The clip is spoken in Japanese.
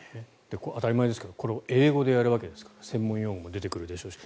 当たり前ですけどこれを英語でやるわけですから専門用語も出てくるでしょうし。